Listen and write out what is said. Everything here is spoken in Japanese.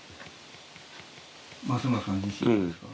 ますむらさん自身がですか？